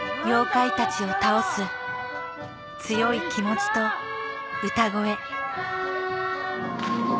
妖怪たちを倒す強い気持ちと歌声